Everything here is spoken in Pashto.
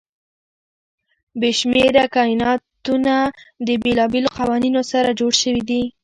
بې شمېره کایناتونه د بېلابېلو قوانینو سره جوړ شوي وي.